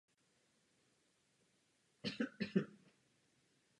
Za druhé světové války se přihlásil jako dobrovolník k Special Operations Executive.